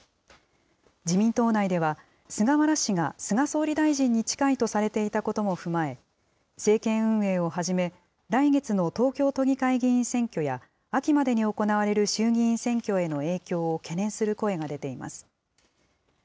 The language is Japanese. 自民党内では、菅原氏が菅総理大臣に近いとされていたことも踏まえ、政権運営をはじめ、来月の東京都議会議員選挙や、秋までに行われる衆議院選挙への影響を懸念する声が出ています。